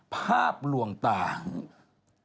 ภาพลวงต่าง